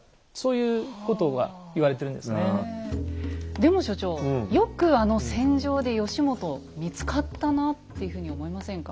でも所長よくあの戦場で義元見つかったなっていうふうに思いませんか？